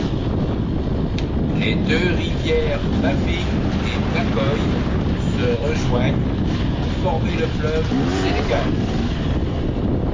Les deux rivières Bafing et Bakoye se rejoignent pour former le fleuve Sénégal.